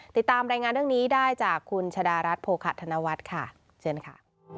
ติดตามรายงานเรื่องนี้ได้จากคุณชะดารัฐโภคะธนวัฒน์ค่ะเชิญค่ะ